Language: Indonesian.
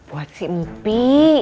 buat si mupi